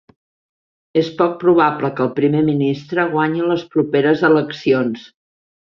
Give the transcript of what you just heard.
És poc probable que el primer ministre guanyi les properes eleccions.